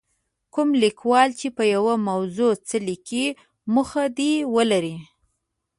کوم لیکوال چې په یوې موضوع څه لیکي موخه دې ولري.